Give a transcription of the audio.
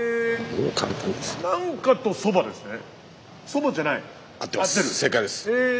何かとそばですね？